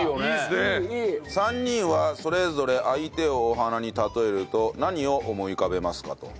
３人はそれぞれ相手をお花に例えると何を思い浮かべますか？と。